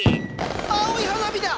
青い花火だ！